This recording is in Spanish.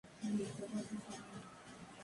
Las paredes están hechas de ladrillo.